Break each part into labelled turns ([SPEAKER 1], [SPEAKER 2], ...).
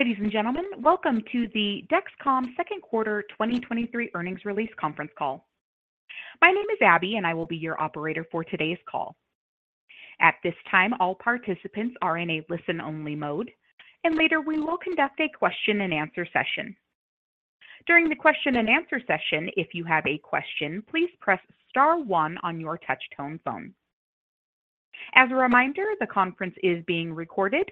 [SPEAKER 1] Ladies and gentlemen, welcome to the Dexcom Second Quarter 2023 Earnings Release Conference Call. My name is Abby, and I will be your operator for today's call. At this time, all participants are in a listen-only mode, and later, we will conduct a question-and-answer session. During the question-and-answer session, if you have a question, please press star one on your touchtone phone. As a reminder, the conference is being recorded,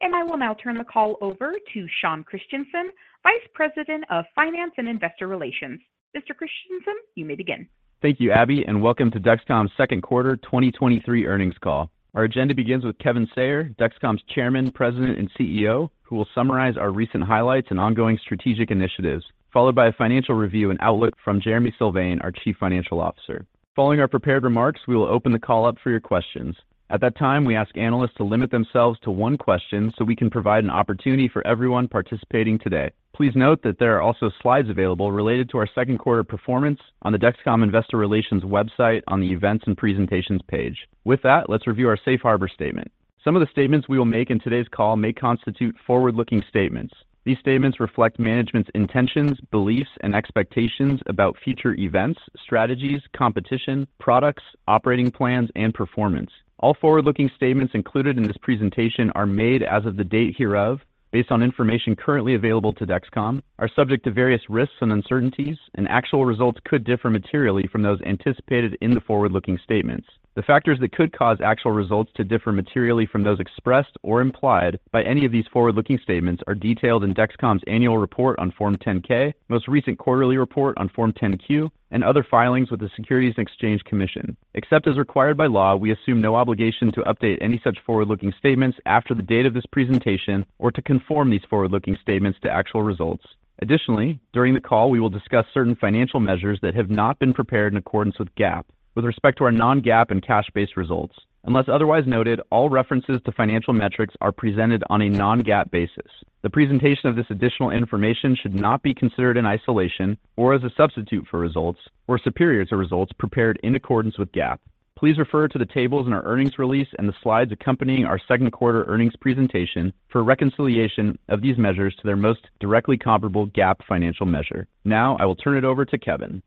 [SPEAKER 1] and I will now turn the call over to Sean Christensen, Vice President of Finance and Investor Relations. Mr. Christensen, you may begin.
[SPEAKER 2] Thank you, Abby, welcome to Dexcom's Second Quarter 2023 Earnings Call. Our agenda begins with Kevin Sayer, Dexcom's Chairman, President, and CEO, who will summarize our recent highlights and ongoing strategic initiatives, followed by a financial review and outlook from Jereme Sylvain, our Chief Financial Officer. Following our prepared remarks, we will open the call up for your questions. At that time, we ask analysts to limit themselves to one question so we can provide an opportunity for everyone participating today. Please note that there are also slides available related to our second quarter performance on the Dexcom Investor Relations website on the Events and Presentations page. With that, let's review our safe harbor statement. Some of the statements we will make in today's call may constitute forward-looking statements. These statements reflect management's intentions, beliefs, and expectations about future events, strategies, competition, products, operating plans, and performance.
[SPEAKER 3] All forward-looking statements included in this presentation are made as of the date hereof, based on information currently available to Dexcom, are subject to various risks and uncertainties, and actual results could differ materially from those anticipated in the forward-looking statements. The factors that could cause actual results to differ materially from those expressed or implied by any of these forward-looking statements are detailed in Dexcom's annual report on Form 10-K, most recent quarterly report on Form 10-Q, and other filings with the Securities and Exchange Commission. Except as required by law, we assume no obligation to update any such forward-looking statements after the date of this presentation or to conform these forward-looking statements to actual results. Additionally, during the call, we will discuss certain financial measures that have not been prepared in accordance with GAAP. With respect to our non-GAAP and cash-based results, unless otherwise noted, all references to financial metrics are presented on a non-GAAP basis. The presentation of this additional information should not be considered in isolation or as a substitute for results or superior to results prepared in accordance with GAAP. Please refer to the tables in our earnings release and the slides accompanying our second quarter earnings presentation for a reconciliation of these measures to their most directly comparable GAAP financial measure. Now, I will turn it over to Kevin.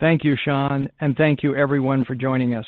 [SPEAKER 2] Thank you, Sean, and thank you, everyone, for joining us.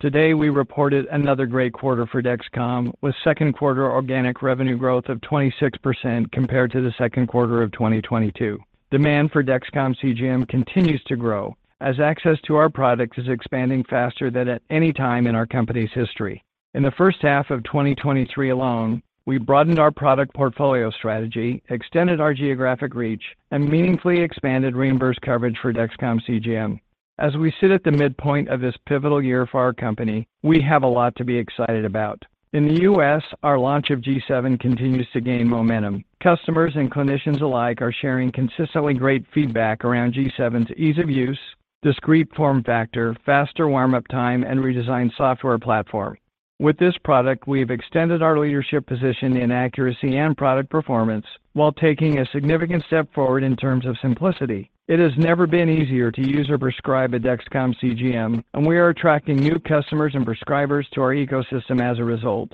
[SPEAKER 2] Today, we reported another great quarter for Dexcom, with second quarter organic revenue growth of 26% compared to the second quarter of 2022. Demand for Dexcom CGM continues to grow as access to our product is expanding faster than at any time in our company's history. In the first half of 2023 alone, we broadened our product portfolio strategy, extended our geographic reach, and meaningfully expanded reimbursed coverage for Dexcom CGM. As we sit at the midpoint of this pivotal year for our company, we have a lot to be excited about. In the U.S., our launch of G7 continues to gain momentum. Customers and clinicians alike are sharing consistently great feedback around G7's ease of use, discrete form factor, faster warm-up time, and redesigned software platform. With this product, we've extended our leadership position in accuracy and product performance while taking a significant step forward in terms of simplicity. It has never been easier to use or prescribe a Dexcom CGM, and we are attracting new customers and prescribers to our ecosystem as a result.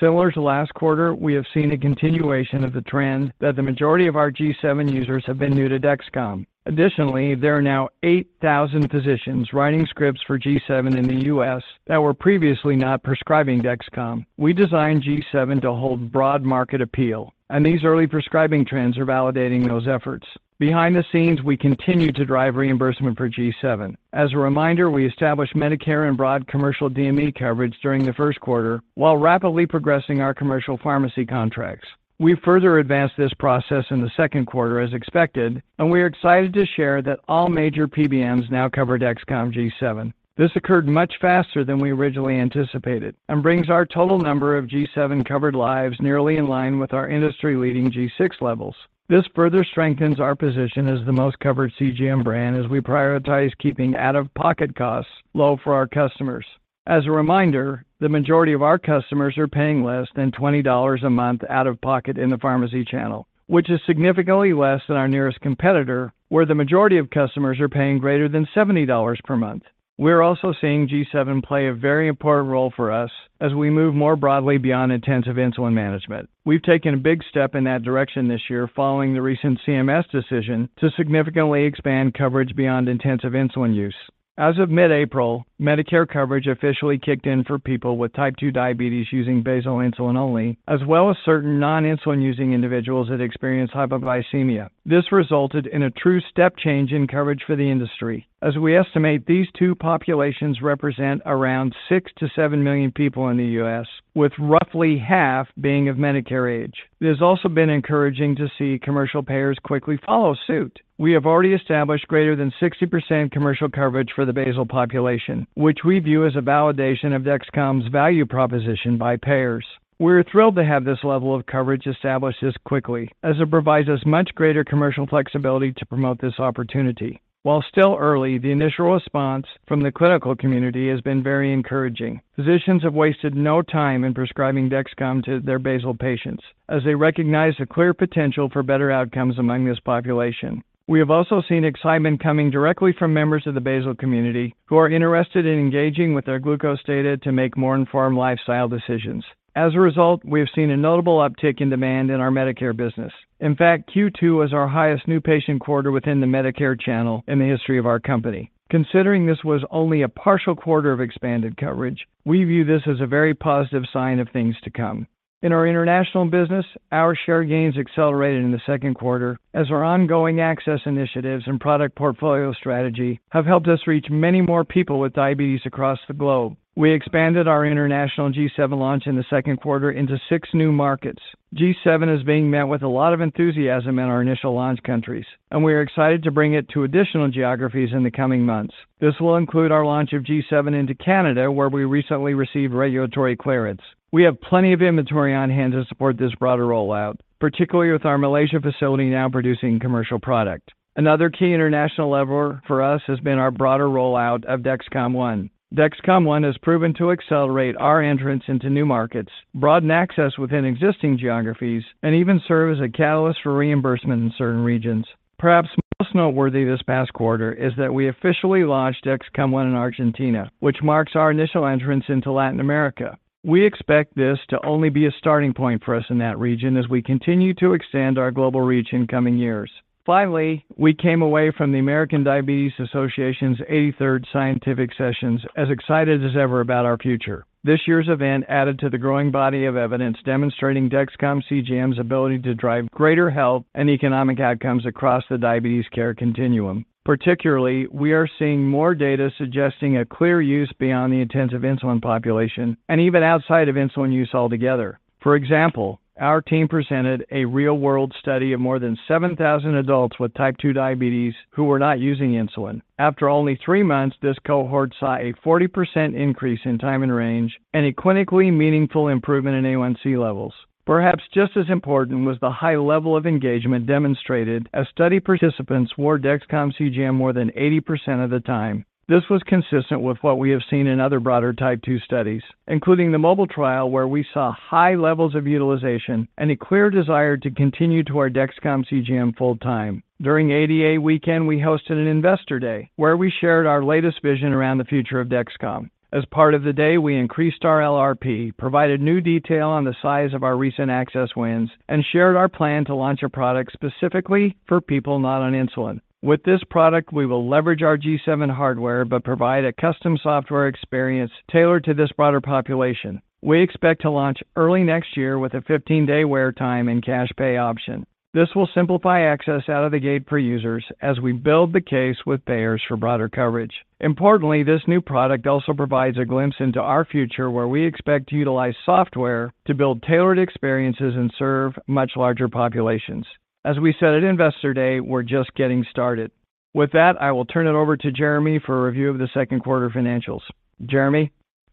[SPEAKER 2] Similar to last quarter, we have seen a continuation of the trend that the majority of our G7 users have been new to Dexcom. Additionally, there are now 8,000 physicians writing scripts for G7 in the U.S. that were previously not prescribing Dexcom. We designed G7 to hold broad market appeal, and these early prescribing trends are validating those efforts. Behind the scenes, we continue to drive reimbursement for G7. As a reminder, we established Medicare and broad commercial DME coverage during the first quarter while rapidly progressing our commercial pharmacy contracts. We've further advanced this process in the second quarter, as expected, and we are excited to share that all major PBMs now cover Dexcom G7. This occurred much faster than we originally anticipated and brings our total number of G7 covered lives nearly in line with our industry-leading G6 levels. This further strengthens our position as the most covered CGM brand as we prioritize keeping out-of-pocket costs low for our customers. As a reminder, the majority of our customers are paying less than $20 a month out of pocket in the pharmacy channel, which is significantly less than our nearest competitor, where the majority of customers are paying greater than $70 per month. We're also seeing G7 play a very important role for us as we move more broadly beyond intensive insulin management. We've taken a big step in that direction this year, following the recent CMS decision to significantly expand coverage beyond intensive insulin use. As of mid-April, Medicare coverage officially kicked in for people with type 2 diabetes using basal insulin only, as well as certain non-insulin using individuals that experience hypoglycemia. This resulted in a true step change in coverage for the industry. As we estimate, these two populations represent around 6-7 million people in the U.S., with roughly half being of Medicare age. It has also been encouraging to see commercial payers quickly follow suit. We have already established greater than 60% commercial coverage for the basal population, which we view as a validation of Dexcom's value proposition by payers. We're thrilled to have this level of coverage established this quickly, as it provides us much greater commercial flexibility to promote this opportunity. While still early, the initial response from the clinical community has been very encouraging. Physicians have wasted no time in prescribing Dexcom to their basal patients as they recognize the clear potential for better outcomes among this population. We have also seen excitement coming directly from members of the basal community who are interested in engaging with their glucose data to make more informed lifestyle decisions. As a result, we have seen a notable uptick in demand in our Medicare business. In fact, Q2 was our highest new patient quarter within the Medicare channel in the history of our company. Considering this was only a partial quarter of expanded coverage, we view this as a very positive sign of things to come. In our international business, our share gains accelerated in the second quarter as our ongoing access initiatives and product portfolio strategy have helped us reach many more people with diabetes across the globe. We expanded our international G7 launch in the second quarter into 6 new markets. G7 is being met with a lot of enthusiasm in our initial launch countries. We are excited to bring it to additional geographies in the coming months. This will include our launch of G7 into Canada, where we recently received regulatory clearance. We have plenty of inventory on hand to support this broader rollout, particularly with our Malaysia facility now producing commercial product. Another key international lever for us has been our broader rollout of Dexcom ONE. Dexcom ONE has proven to accelerate our entrance into new markets, broaden access within existing geographies, and even serve as a catalyst for reimbursement in certain regions. Perhaps most noteworthy this past quarter is that we officially launched Dexcom ONE in Argentina, which marks our initial entrance into Latin America. We expect this to only be a starting point for us in that region as we continue to extend our global reach in coming years. Finally, we came away from the American Diabetes Association's 83rd scientific sessions as excited as ever about our future. This year's event added to the growing body of evidence demonstrating Dexcom CGM's ability to drive greater health and economic outcomes across the diabetes care continuum. Particularly, we are seeing more data suggesting a clear use beyond the intensive insulin population and even outside of insulin use altogether. For example, our team presented a real-world study of more than 7,000 adults with type 2 diabetes who were not using insulin. After only three months, this cohort saw a 40% increase in time and range and a clinically meaningful improvement in A1C levels. Perhaps just as important was the high level of engagement demonstrated as study participants wore Dexcom CGM more than 80% of the time. This was consistent with what we have seen in other broader type 2 studies, including the MOBILE trial, where we saw high levels of utilization and a clear desire to continue to wear Dexcom CGM full time. During ADA weekend, we hosted an Investor Day, where we shared our latest vision around the future of Dexcom. As part of the day, we increased our LRP, provided new detail on the size of our recent access wins, and shared our plan to launch a product specifically for people not on insulin. With this product, we will leverage our G7 hardware but provide a custom software experience tailored to this broader population. We expect to launch early next year with a 15-day wear time and cash pay option. This will simplify access out of the gate for users as we build the case with payers for broader coverage. Importantly, this new product also provides a glimpse into our future, where we expect to utilize software to build tailored experiences and serve much larger populations. As we said at Investor Day, we're just getting started. With that, I will turn it over to Jereme for a review of the second quarter financials. Jereme?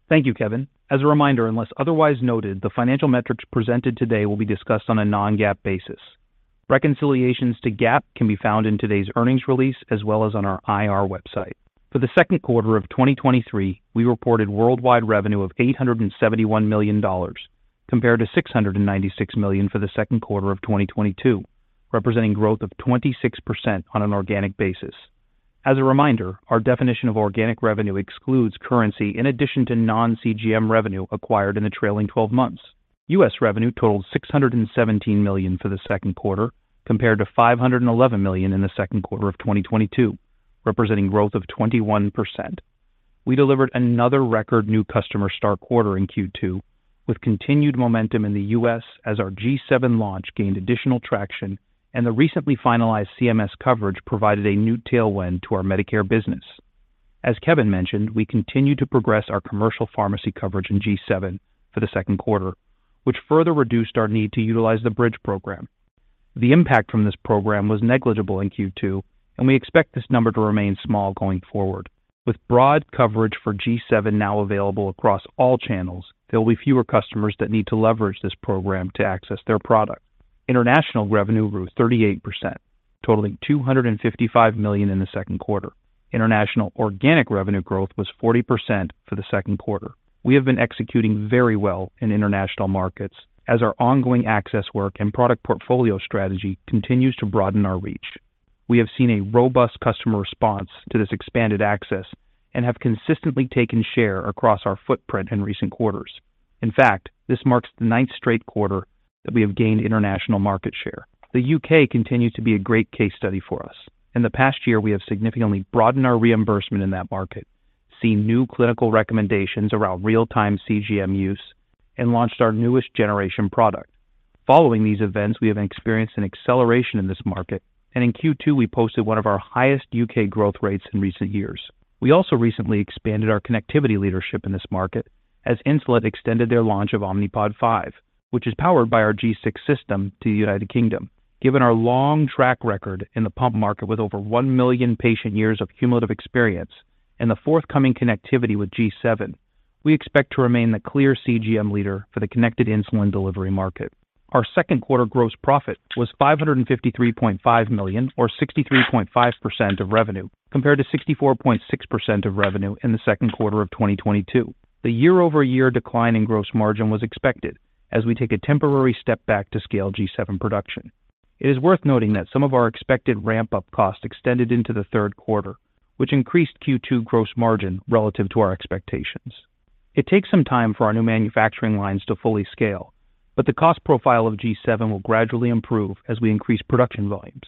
[SPEAKER 4] Thank you, Kevin. As a reminder, unless otherwise noted, the financial metrics presented today will be discussed on a non-GAAP basis. Reconciliations to GAAP can be found in today's earnings release as well as on our IR website. For the second quarter of 2023, we reported worldwide revenue of $871 million, compared to $696 million for the second quarter of 2022, representing growth of 26% on an organic basis. As a reminder, our definition of organic revenue excludes currency in addition to non-CGM revenue acquired in the trailing 12 months. U.S. revenue totaled $617 million for the second quarter, compared to $511 million in the second quarter of 2022, representing growth of 21%. We delivered another record new customer start quarter in Q2, with continued momentum in the U.S. as our G7 launch gained additional traction and the recently finalized CMS coverage provided a new tailwind to our Medicare business. As Kevin mentioned, we continued to progress our commercial pharmacy coverage in G7 for the second quarter, which further reduced our need to utilize the bridge program. The impact from this program was negligible in Q2. We expect this number to remain small going forward. With broad coverage for G7 now available across all channels, there will be fewer customers that need to leverage this program to access their product. International revenue grew 38%, totaling $255 million in the second quarter. International organic revenue growth was 40% for the second quarter. We have been executing very well in international markets as our ongoing access work and product portfolio strategy continues to broaden our reach. We have seen a robust customer response to this expanded access and have consistently taken share across our footprint in recent quarters. In fact, this marks the ninth straight quarter that we have gained international market share. The UK continues to be a great case study for us. In the past year, we have significantly broadened our reimbursement in that market, seen new clinical recommendations around real-time CGM use, and launched our newest generation product. Following these events, we have experienced an acceleration in this market, and in Q2, we posted one of our highest UK growth rates in recent years. We also recently expanded our connectivity leadership in this market as Insulet extended their launch of Omnipod 5, which is powered by our G6 system, to the United Kingdom. Given our long track record in the pump market, with over 1 million patient years of cumulative experience and the forthcoming connectivity with G7, we expect to remain the clear CGM leader for the connected insulin delivery market. Our second quarter gross profit was $553.5 million, or 63.5% of revenue, compared to 64.6% of revenue in the second quarter of 2022. The year-over-year decline in gross margin was expected as we take a temporary step back to scale G7 production. It is worth noting that some of our expected ramp-up costs extended into the third quarter, which increased Q2 gross margin relative to our expectations. It takes some time for our new manufacturing lines to fully scale, but the cost profile of G7 will gradually improve as we increase production volumes.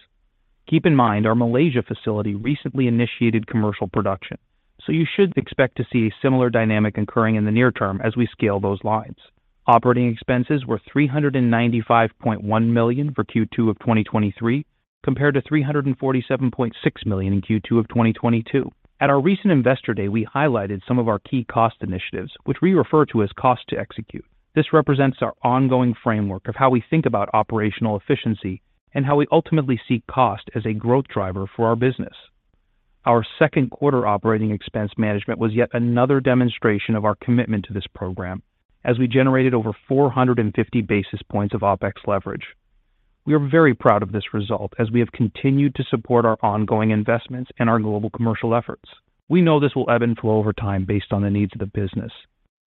[SPEAKER 4] Keep in mind, our Malaysia facility recently initiated commercial production, so you should expect to see a similar dynamic occurring in the near term as we scale those lines. Operating expenses were $395.1 million for Q2 of 2023, compared to $347.6 million in Q2 of 2022. At our recent Investor Day, we highlighted some of our key cost initiatives, which we refer to as cost to execute. This represents our ongoing framework of how we think about operational efficiency and how we ultimately see cost as a growth driver for our business. Our second quarter operating expense management was yet another demonstration of our commitment to this program, as we generated over 450 basis points of OpEx leverage. We are very proud of this result as we have continued to support our ongoing investments and our global commercial efforts. We know this will ebb and flow over time based on the needs of the business,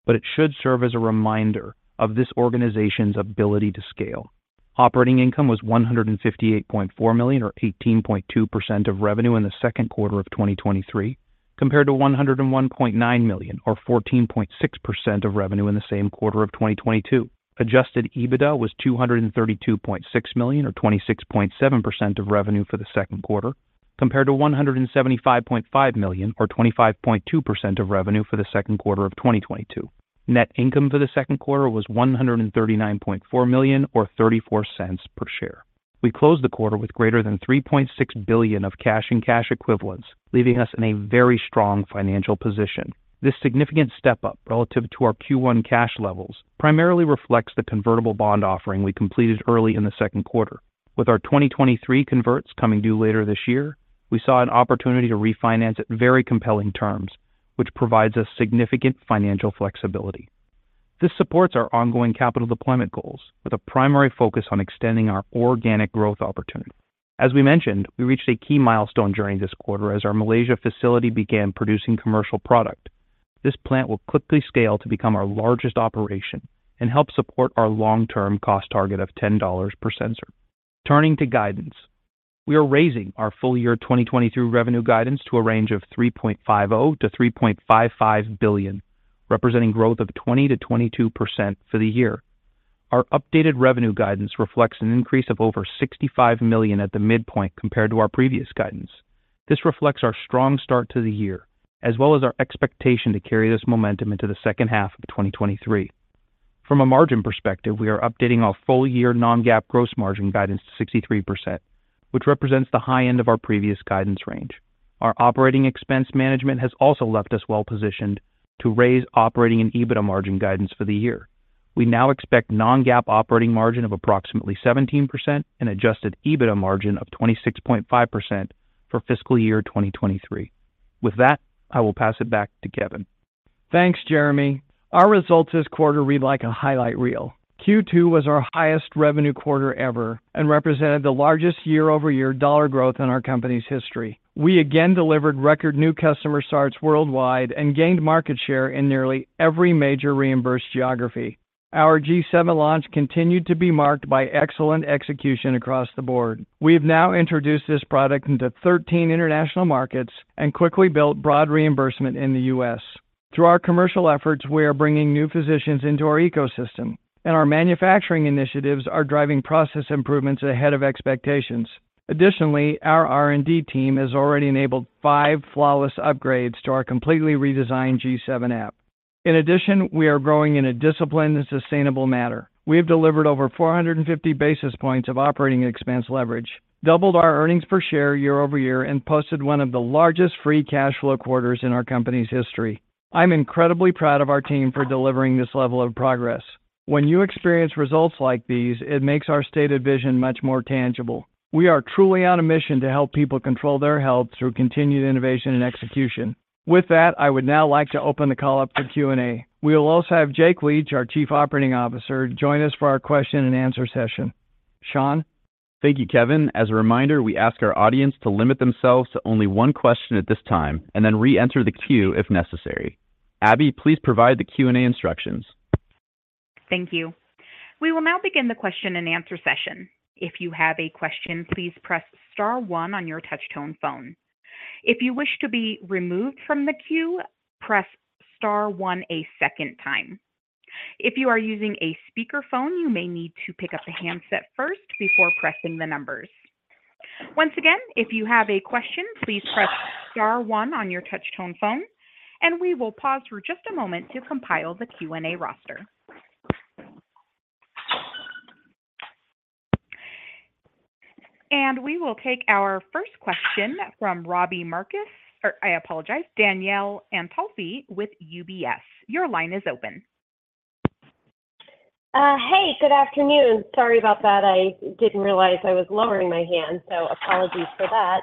[SPEAKER 4] but it should serve as a reminder of this organization's ability to scale. Operating income was $158.4 million, or 18.2% of revenue, in the second quarter of 2023, compared to $101.9 million, or 14.6% of revenue, in the same quarter of 2022. Adjusted EBITDA was $232.6 million, or 26.7% of revenue for the second quarter, compared to $175.5 million, or 25.2% of revenue for the second quarter of 2022. Net income for the second quarter was $139.4 million, or $0.34 per share. We closed the quarter with greater than $3.6 billion of cash and cash equivalents, leaving us in a very strong financial position. This significant step-up relative to our Q1 cash levels primarily reflects the convertible bond offering we completed early in the second quarter. With our 2023 converts coming due later this year, we saw an opportunity to refinance at very compelling terms, which provides us significant financial flexibility. This supports our ongoing capital deployment goals with a primary focus on extending our organic growth opportunity. As we mentioned, we reached a key milestone during this quarter as our Malaysia facility began producing commercial product. This plant will quickly scale to become our largest operation and help support our long-term cost target of $10 per sensor. Turning to guidance, we are raising our full-year 2023 revenue guidance to a range of $3.50 billion-$3.55 billion, representing growth of 20%-22% for the year. Our updated revenue guidance reflects an increase of over $65 million at the midpoint compared to our previous guidance. This reflects our strong start to the year, as well as our expectation to carry this momentum into the second half of 2023. From a margin perspective, we are updating our full-year non-GAAP gross margin guidance to 63%, which represents the high end of our previous guidance range. Our operating expense management has also left us well positioned to raise operating and EBITDA margin guidance for the year. We now expect non-GAAP operating margin of approximately 17% and adjusted EBITDA margin of 26.5% for fiscal year 2023. With that, I will pass it back to Kevin.
[SPEAKER 2] Thanks, Jereme. Our results this quarter read like a highlight reel. Q2 was our highest revenue quarter ever and represented the largest year-over-year dollar growth in our company's history. We again delivered record new customer starts worldwide and gained market share in nearly every major reimbursed geography. Our G7 launch continued to be marked by excellent execution across the board. We have now introduced this product into 13 international markets and quickly built broad reimbursement in the U.S. Through our commercial efforts, we are bringing new physicians into our ecosystem, and our manufacturing initiatives are driving process improvements ahead of expectations. Additionally, our R&D team has already enabled 5 flawless upgrades to our completely redesigned G7 app. In addition, we are growing in a disciplined and sustainable manner. We have delivered over 450 basis points of OpEx leverage, doubled our earnings per share year-over-year, and posted 1 of the largest free cash flow quarters in our company's history. I'm incredibly proud of our team for delivering this level of progress. When you experience results like these, it makes our stated vision much more tangible. We are truly on a mission to help people control their health through continued innovation and execution. With that, I would now like to open the call up for Q&A. We will also have Jake Leach, our Chief Operating Officer, join us for our question and answer session. Sean?
[SPEAKER 3] Thank you, Kevin. As a reminder, we ask our audience to limit themselves to only one question at this time and then reenter the queue if necessary. Abby, please provide the Q&A instructions.
[SPEAKER 1] Thank you. We will now begin the question and answer session. If you have a question, please press star one on your touchtone phone. If you wish to be removed from the queue, press star one a second time. If you are using a speakerphone, you may need to pick up the handset first before pressing the numbers. Once again, if you have a question, please press star one on your touchtone phone, and we will pause for just a moment to compile the Q&A roster. We will take our first question from Robbie Marcus, or I apologize, Danielle Antalffy with UBS. Your line is open.
[SPEAKER 5] Hey, good afternoon. Sorry about that. I didn't realize I was lowering my hand, so apologies for that.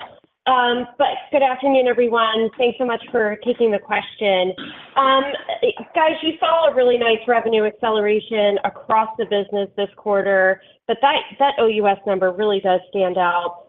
[SPEAKER 5] Good afternoon, everyone. Thanks so much for taking the question. Guys, you saw a really nice revenue acceleration across the business this quarter, but that, at OUS number really does stand out.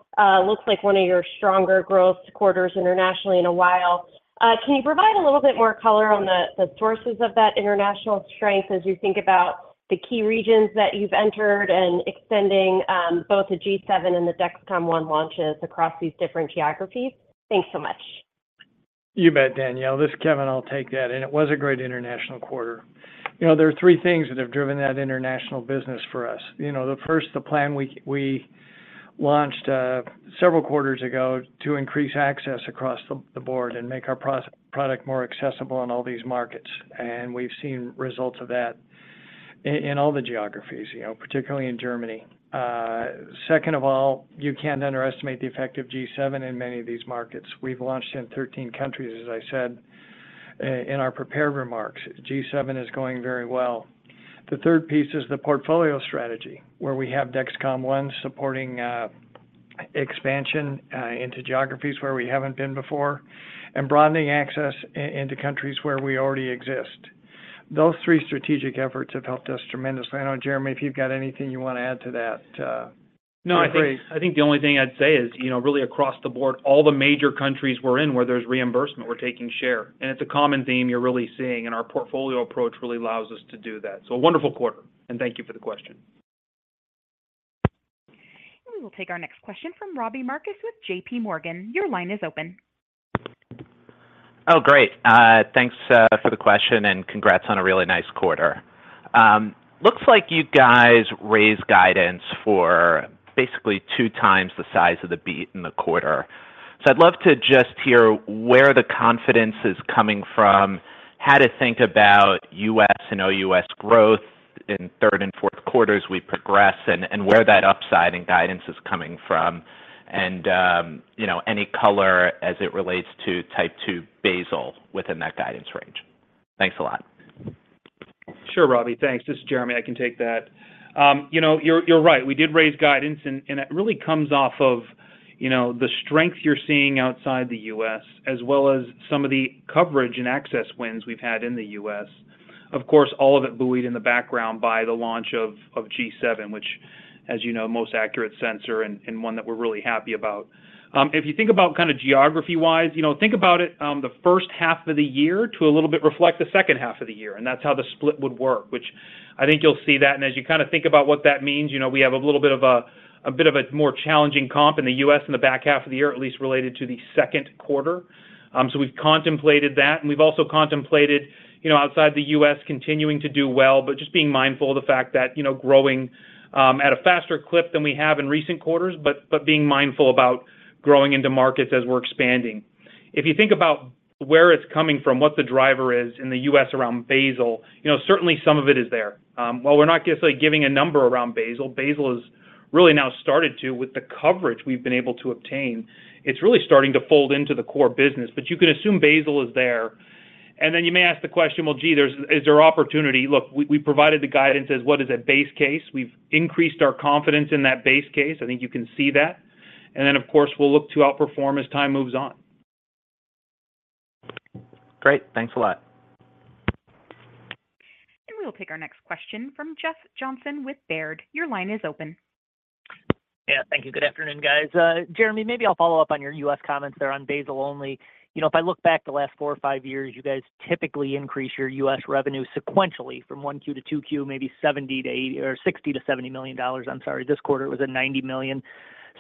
[SPEAKER 5] Looks like one of your stronger growth quarters internationally in a while. Can you provide a little bit more color on the, the sources of that international strength as you think about the key regions that you've entered and extending, both the G7 and the Dexcom ONE launches across these different geographies? Thanks so much.
[SPEAKER 2] You bet, Danielle. This is Kevin. I'll take that. It was a great international quarter. You know, there are three things that have driven that international business for us. You know, the first, the plan we launched several quarters ago to increase access across the board and make our product more accessible in all these markets, and we've seen results of that in all the geographies, you know, particularly in Germany. Second of all, you can't underestimate the effect of G7 in many of these markets. We've launched in 13 countries, as I said in our prepared remarks. G7 is going very well. The third piece is the portfolio strategy, where we have Dexcom One supporting expansion into geographies where we haven't been before and broadening access into countries where we already exist. Those three strategic efforts have helped us tremendously. I know, Jereme, if you've got anything you want to add to that?
[SPEAKER 4] No, I think, I think the only thing I'd say is, you know, really across the board, all the major countries we're in, where there's reimbursement, we're taking share. It's a common theme you're really seeing, and our portfolio approach really allows us to do that. A wonderful quarter, and thank you for the question.
[SPEAKER 1] We will take our next question from Robbie Marcus with JP Morgan. Your line is open.
[SPEAKER 6] Oh, great. Thanks for the question, and congrats on a really nice quarter. Looks like you guys raised guidance for basically 2 times the size of the beat in the quarter. I'd love to just hear where the confidence is coming from, how to think aboutS and OUS growth in third and fourth quarters we progress, and where that upside in guidance is coming from, you know, any color as it relates to type 2 basal within that guidance range. Thanks a lot.
[SPEAKER 4] Sure, Robbie. Thanks. This is Jereme. I can take that. You know, you're, you're right, we did raise guidance, and it really comes off of, you know, the strength you're seeing outside the U.S., as well as some of the coverage and access wins we've had in the U.S. Of course, all of it buoyed in the background by the launch of G7, which, as you know, most accurate sensor, and one that we're really happy about. If you think about kind of geography-wise, you know, think about it, the first half of the year to a little bit reflect the second half of the year, and that's how the split would work, which I think you'll see that. As you kind of think about what that means, you know, we have a little bit of a, a bit of a more challenging comp in the U.S. in the back half of the year, at least related to the second quarter. So we've contemplated that, and we've also contemplated, you know, outside the U.S., continuing to do well, but just being mindful of the fact that, you know, growing at a faster clip than we have in recent quarters, but, but being mindful about growing into markets as we're expanding. If you think about where it's coming from, what the driver is in the U.S. around basal, you know, certainly some of it is there. While we're not necessarily giving a number around basal, basal has really now started to, with the coverage we've been able to obtain, it's really starting to fold into the core business. You can assume basal is there. Then you may ask the question, "Well, gee, Is there opportunity?" Look, we, we provided the guidance as what is a base case. We've increased our confidence in that base case. I think you can see that. Then, of course, we'll look to outperform as time moves on.
[SPEAKER 6] Great. Thanks a lot.
[SPEAKER 1] We will take our next question from Jeff Johnson with Baird. Your line is open.
[SPEAKER 7] Yeah. Thank you. Good afternoon, guys. Jereme, maybe I'll follow up on your U.S. comments there on basal only. You know, if I look back the last 4 or 5 years, you guys typically increase your U.S. revenue sequentially from 1Q to 2Q, maybe $70 million-$80 million, or $60 million-$70 million, I'm sorry. This quarter it was a $90 million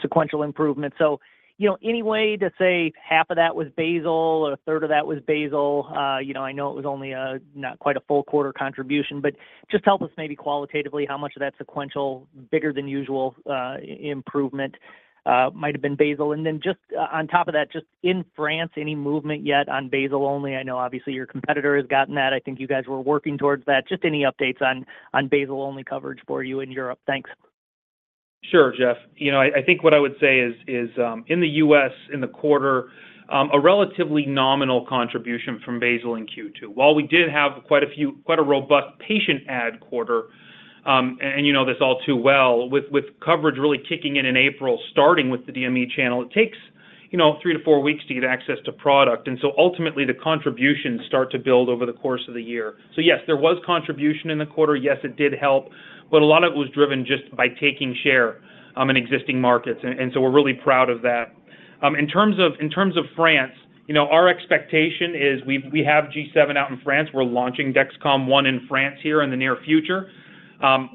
[SPEAKER 7] sequential improvement. You know, any way to say half of that was basal or a third of that was basal? You know, I know it was only a, not quite a full quarter contribution, but just help us maybe qualitatively, how much of that sequential, bigger than usual, improvement, might have been basal. Just on top of that, just in France, any movement yet on basal only? I know obviously your competitor has gotten that. I think you guys were working towards that. Just any updates on basal-only coverage for you in Europe? Thanks.
[SPEAKER 4] Sure, Jeff. You know, I, I think what I would say is, is, in the U.S., in the quarter, a relatively nominal contribution from basal in Q2. While we did have quite a few, quite a robust patient ad quarter, and, and you know this all too well, with, with coverage really kicking in in April, starting with the DME channel, it takes, you know, 3 to 4 weeks to get access to product. Ultimately, the contributions start to build over the course of the year. Yes, there was contribution in the quarter. Yes, it did help, but a lot of it was driven just by taking share in existing markets. We're really proud of that. In terms of, in terms of France, you know, our expectation is we, we have G7 out in France. We're launching Dexcom ONE in France here in the near future.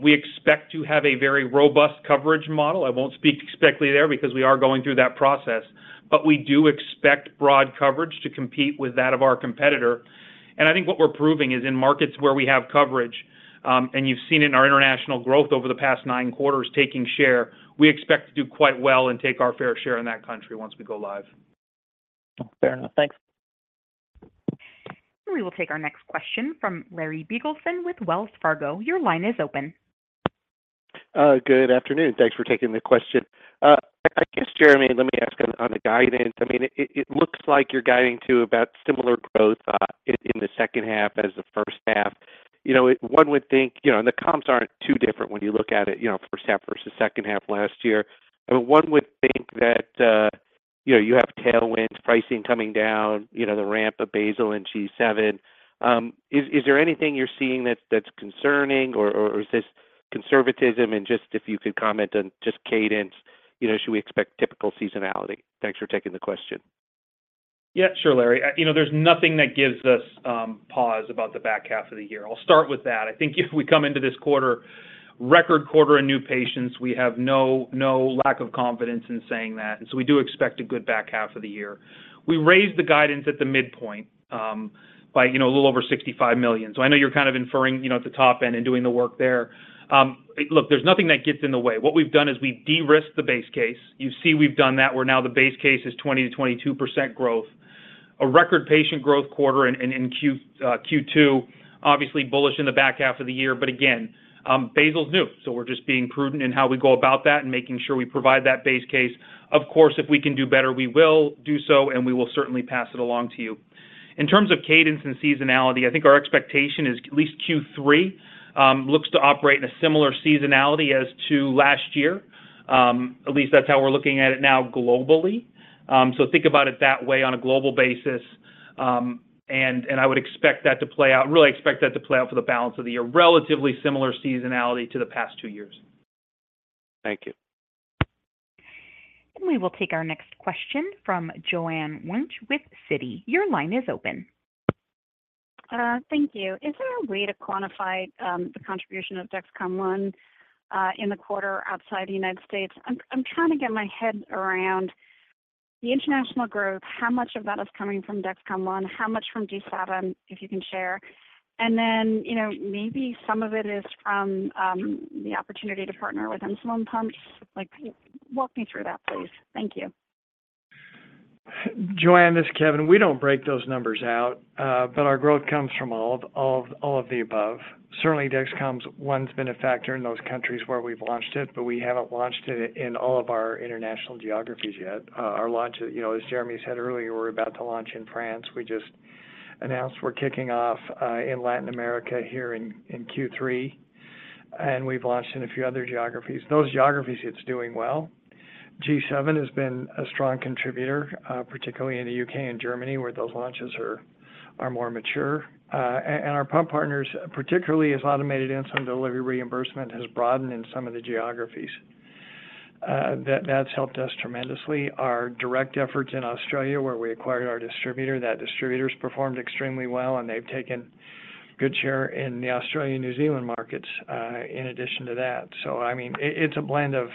[SPEAKER 4] We expect to have a very robust coverage model. I won't speak specifically there because we are going through that process, but we do expect broad coverage to compete with that of our competitor. I think what we're proving is in markets where we have coverage, and you've seen it in our international growth over the past nine quarters, taking share, we expect to do quite well and take our fair share in that country once we go live.
[SPEAKER 2] Fair enough. Thanks.
[SPEAKER 1] We will take our next question from Larry Biegelsen with Wells Fargo. Your line is open.
[SPEAKER 8] Good afternoon. Thanks for taking the question. I, I guess, Jereme, let me ask on, on the guidance. I mean, it, it looks like you're guiding to about similar growth in the second half as the first half. You know, one would think, you know, the comps aren't too different when you look at it, you know, first half versus second half last year. One would think that, you know, you have tailwinds, pricing coming down, you know, the ramp of basal and G7. Is, is there anything you're seeing that's, that's concerning, or, or, is this conservatism? Just if you could comment on just cadence, you know, should we expect typical seasonality? Thanks for taking the question.
[SPEAKER 4] Yeah, sure, Larry. You know, there's nothing that gives us pause about the back half of the year. I'll start with that. I think if we come into this quarter, record quarter in new patients, we have no, no lack of confidence in saying that. We do expect a good back half of the year. We raised the guidance at the midpoint, by, you know, a little over $65 million. I know you're kind of inferring, you know, at the top end and doing the work there. Look, there's nothing that gets in the way. What we've done is we've de-risked the base case. You see, we've done that, where now the base case is 20%-22% growth. A record patient growth quarter in Q2, obviously bullish in the back half of the year. Again, basal is new, so we're just being prudent in how we go about that and making sure we provide that base case. Of course, if we can do better, we will do so, and we will certainly pass it along to you. In terms of cadence and seasonality, I think our expectation is at least Q3 looks to operate in a similar seasonality as to last year. At least that's how we're looking at it now globally. So think about it that way on a global basis, and I would expect that to play out-- really expect that to play out for the balance of the year, relatively similar seasonality to the past 2 years.
[SPEAKER 8] Thank you.
[SPEAKER 1] We will take our next question from Joanne Wuensch with Citi. Your line is open.
[SPEAKER 9] Thank you. Is there a way to quantify the contribution of Dexcom ONE in the quarter outside the United States? I'm trying to get my head around the international growth, how much of that is coming from Dexcom ONE, how much from G7, if you can share. Then, you know, maybe some of it is from the opportunity to partner with insulin pumps. Like, walk me through that, please. Thank you.
[SPEAKER 2] Joanne, this is Kevin. We don't break those numbers out, but our growth comes from all of the above. Certainly, Dexcom ONE's been a factor in those countries where we've launched it, but we haven't launched it in all of our international geographies yet. Our launch, you know, as Jereme said earlier, we're about to launch in France. We just announced we're kicking off in Latin America here in Q3, and we've launched in a few other geographies. Those geographies, it's doing well. G7 has been a strong contributor, particularly in the UK and Germany, where those launches are more mature. Our pump partners, particularly as automated insulin delivery reimbursement, has broadened in some of the geographies. That's helped us tremendously. Our direct efforts in Australia, where we acquired our distributor, that distributor's performed extremely well, and they've taken good share in the Australian and New Zealand markets, in addition to that. I mean, it, it's a blend of,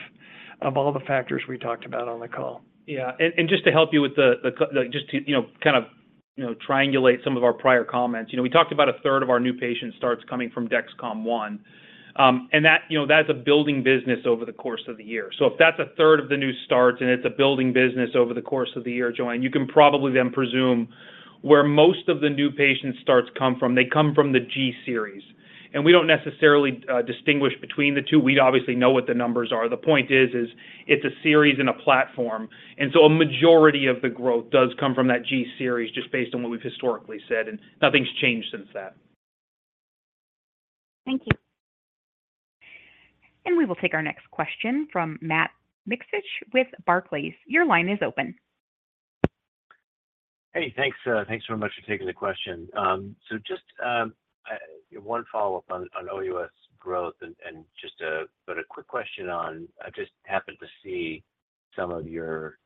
[SPEAKER 2] of all the factors we talked about on the call.
[SPEAKER 4] Yeah, and, and just to help you with the, just to, you know, kind of, you know, triangulate some of our prior comments. You know, we talked about a third of our new patient starts coming from Dexcom ONE. And that, you know, that's a building business over the course of the year. If that's a third of the new starts and it's a building business over the course of the year, Joanne, you can probably then presume where most of the new patient starts come from. They come from the G series, and we don't necessarily distinguish between the two. We obviously know what the numbers are. The point is, is it's a series and a platform, a majority of the growth does come from that G series, just based on what we've historically said, and nothing's changed since that.
[SPEAKER 9] Thank you.
[SPEAKER 1] We will take our next question from Matt Miksic with Barclays. Your line is open.
[SPEAKER 10] Hey, thanks, thanks very much for taking the question. So just, one follow-up on, on OUS growth and, and just a, but a quick question on... I just happened to see some of your,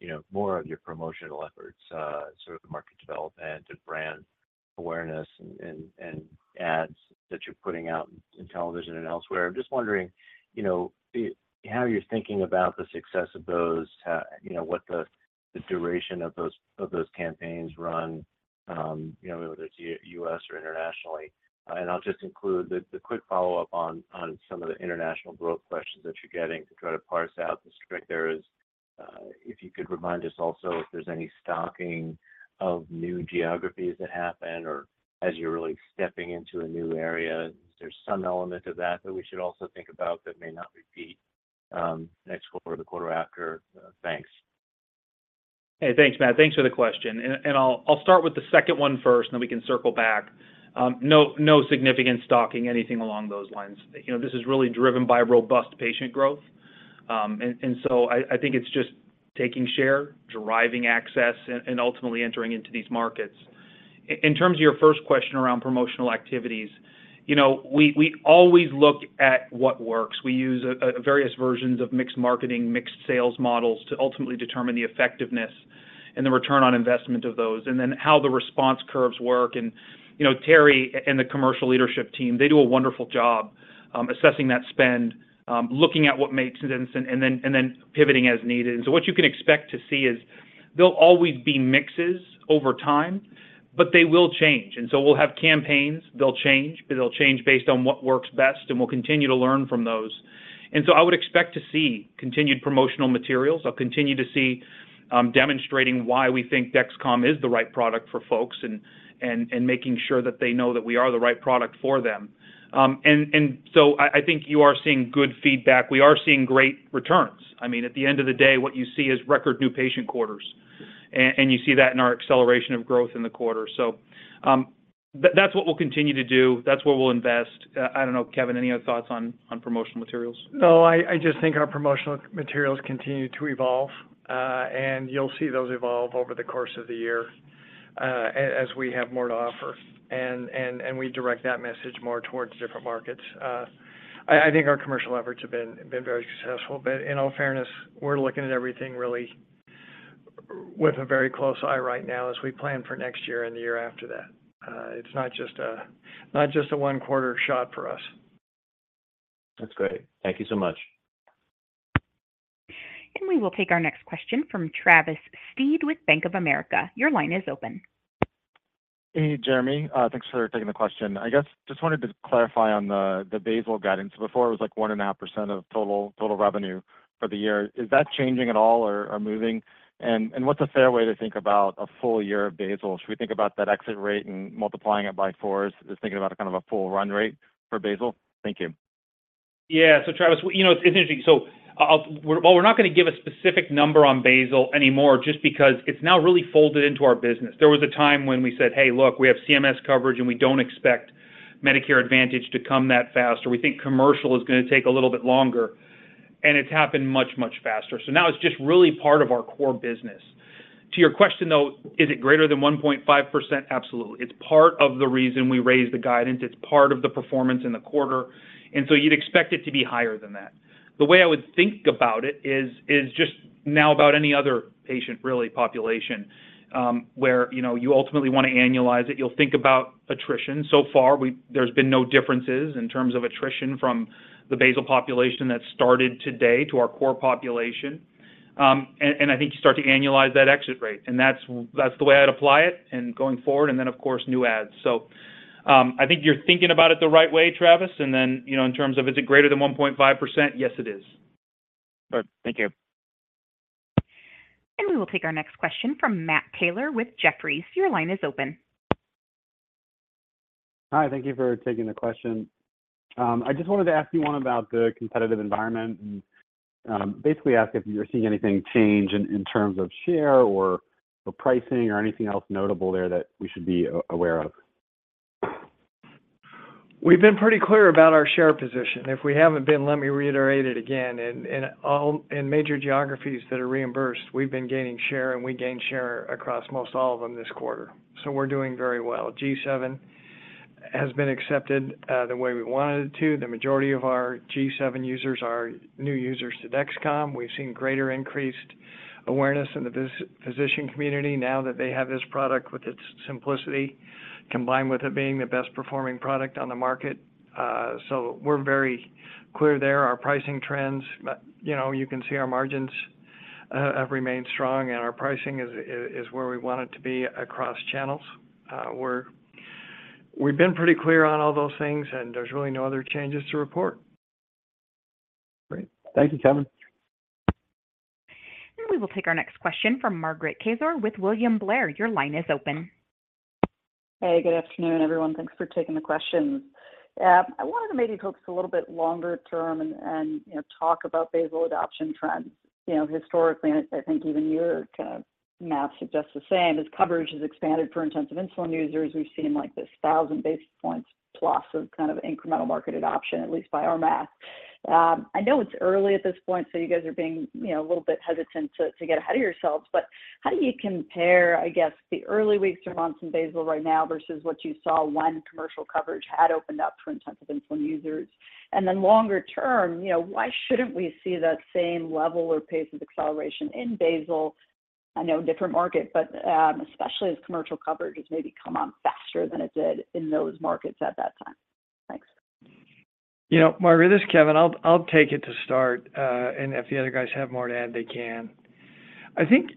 [SPEAKER 10] you know, more of your promotional efforts, so the market development and brand awareness and, and, and ads that you're putting out in television and elsewhere. I'm just wondering, you know, the, how you're thinking about the success of those, you know, what the, the duration of those, those campaigns run, you know, whether it's U.S. or internationally? I'll just include the, the quick follow-up on, on some of the international growth questions that you're getting to try to parse out the strict areas. If you could remind us also if there's any stocking of new geographies that happen or as you're really stepping into a new area, there's some element of that that we should also think about that may not repeat, next quarter or the quarter after? Thanks.
[SPEAKER 4] Hey, thanks, Matt. Thanks for the question. I'll, I'll start with the second one first, then we can circle back. No, no significant stocking, anything along those lines. You know, this is really driven by robust patient growth. So I, I think it's just taking share, driving access, and, and ultimately entering into these markets. In terms of your first question around promotional activities, you know, we, we always look at what works. We use various versions of mixed marketing, mixed sales models to ultimately determine the effectiveness and the return on investment of those, and then how the response curves work. You know, Teri and the commercial leadership team, they do a wonderful job assessing that spend, looking at what makes sense and, and then, and then pivoting as needed. What you can expect to see is there'll always be mixes over time, but they will change. We'll have campaigns, they'll change, but they'll change based on what works best, and we'll continue to learn from those. I would expect to see continued promotional materials. I'll continue to see demonstrating why we think Dexcom is the right product for folks and, and, and making sure that they know that we are the right product for them. I, I think you are seeing good feedback. We are seeing great returns. I mean, at the end of the day, what you see is record new patient quarters, and you see that in our acceleration of growth in the quarter. That's what we'll continue to do, that's where we'll invest. I don't know, Kevin, any other thoughts on, on promotional materials?
[SPEAKER 2] No, I, I just think our promotional materials continue to evolve, and you'll see those evolve over the course of the year, as we have more to offer. We direct that message more towards different markets. I, I think our commercial efforts have been, been very successful, in all fairness, we're looking at everything really with a very close eye right now as we plan for next year and the year after that. It's not just a, not just a one-quarter shot for us.
[SPEAKER 10] That's great. Thank you so much.
[SPEAKER 1] We will take our next question from Travis Steed with Bank of America. Your line is open.
[SPEAKER 11] Hey, Jereme. thanks for taking the question. I guess, just wanted to clarify on the, the Basal guidance. Before, it was, like, 1.5% of total, total revenue for the year. Is that changing at all or, or moving? What's a fair way to think about a full year of Basal? Should we think about that exit rate and multiplying it by four as, as thinking about a kind of a full run rate for Basal? Thank you.
[SPEAKER 4] Yeah. Travis, you know, it's interesting. Well, we're not going to give a specific number on Basal anymore, just because it's now really folded into our business. There was a time when we said, "Hey, look, we have CMS coverage, and we don't expect Medicare Advantage to come that fast, or we think commercial is going to take a little bit longer," and it's happened much, much faster. Now it's just really part of our core business. To your question, though, is it greater than 1.5%? Absolutely. It's part of the reason we raised the guidance. It's part of the performance in the quarter, you'd expect it to be higher than that. The way I would think about it is just now about any other patient, really, population, where, you know, you ultimately want to annualize it. You'll think about attrition. So far, we there's been no differences in terms of attrition from the Basal population that started today to our core population. And I think you start to annualize that exit rate, and that's, that's the way I'd apply it and going forward, and then, of course, new ads. I think you're thinking about it the right way, Travis. You know, in terms of is it greater than 1.5%? Yes, it is.
[SPEAKER 11] All right. Thank you.
[SPEAKER 1] We will take our next question from Matt Taylor with Jefferies. Your line is open.
[SPEAKER 12] Hi, thank you for taking the question. I just wanted to ask you one about the competitive environment, and basically ask if you're seeing anything change in, in terms of share or the pricing or anything else notable there that we should be aware of?
[SPEAKER 2] We've been pretty clear about our share position. If we haven't been, let me reiterate it again. In all in major geographies that are reimbursed, we've been gaining share, and we gained share across most all of them this quarter. We're doing very well. G7 has been accepted the way we wanted it to. The majority of our G7 users are new users to Dexcom. We've seen greater increased awareness in the physician community now that they have this product with its simplicity, combined with it being the best performing product on the market. We're very clear there. Our pricing trends, you know, you can see our margins have remained strong, and our pricing is, is, is where we want it to be across channels. We've been pretty clear on all those things, there's really no other changes to report.
[SPEAKER 12] Great. Thank you, Kevin.
[SPEAKER 1] We will take our next question from Margaret Kaczor with William Blair. Your line is open.
[SPEAKER 13] Hey, good afternoon, everyone. Thanks for taking the question. I wanted to maybe focus a little bit longer term and, and, you know, talk about Basal adoption trends. You know, historically, and I think even your kind of math suggests the same, as coverage has expanded for intensive insulin users, we've seen, like, this 1,000 basis points plus of kind of incremental market adoption, at least by our math. I know it's early at this point, so you guys are being, you know, a little bit hesitant to, to get ahead of yourselves, but how do you compare, I guess, the early weeks or months in Basal right now versus what you saw when commercial coverage had opened up for intensive insulin users? Then longer term, you know, why shouldn't we see that same level or pace of acceleration in Basal? I know a different market, but, especially as commercial coverage has maybe come on faster than it did in those markets at that time. Thanks.
[SPEAKER 2] You know, Margaret, this is Kevin. I'll, I'll take it to start, and if the other guys have more to add, they can. I think